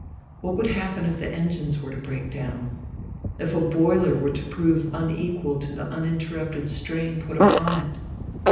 What would happen if the engines were to break down? If a boiler were to prove unequal to the uninterrupted strain put upon it?